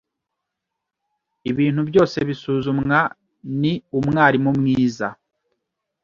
Ibintu byose bisuzumwa, ni umwarimu mwiza.